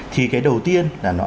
thì cái đầu tiên là nó